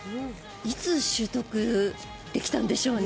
いつ習得できたんでしょうね。